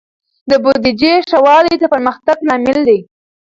د بودیجې ښه والی د پرمختګ لامل دی.